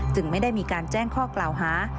ไม่ได้มีการแจ้งข้อกล่าวหา